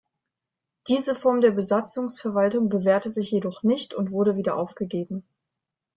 Diese Form der Besatzungsverwaltung bewährte sich jedoch nicht und wurde wieder aufgegeben.